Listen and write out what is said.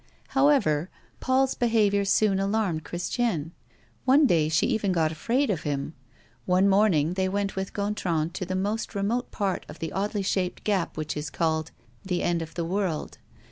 However, Paul's behavior soon alarmed Christiane. One day she even got afraid of him. One morning, they went with Gontran to the most remote part of the oddly shaped gap which is called the End of the World.